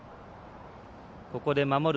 ここで、守る